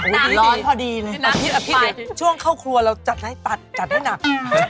น้ำร้อนพอดีเลยช่วงเข้าครัวเราจัดให้ตัดจัดให้หนัก